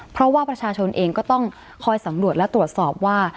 เพราะว่าประชาชนเองก็ต้องคอยสำรวจและตรวจสอบว่า